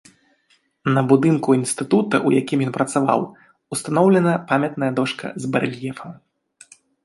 На будынку інстытута, у якім ён працаваў, устаноўлена памятная дошка з барэльефам.